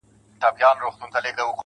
نو گراني تاته په ښكاره نن داخبره كوم